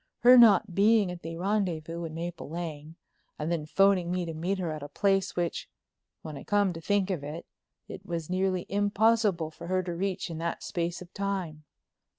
Her not being at the rendezvous in Maple Lane and then phoning me to meet her at a place, which, when I came to think of it, it was nearly impossible for her to reach in that space of time.